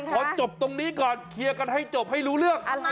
พอจบตรงนี้ก่อนเคลียร์กันให้จบให้รู้เรื่อง